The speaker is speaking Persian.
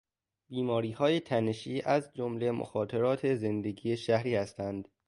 بیماریهای تنشی از جمله مخاطرات زندگی شهری هستند.